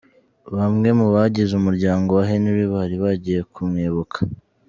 Bamwe mu bagize umuryango wa Henry bari bagiye kumwibuka.